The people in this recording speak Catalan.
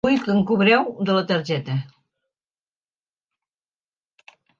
Vull que em cobreu de la targeta.